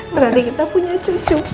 berani kita punya cucu pak